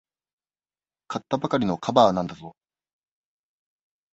買ったばかりのカバーなんだぞ。